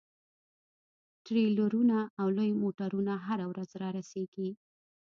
ټریلرونه او لوی موټرونه هره ورځ رارسیږي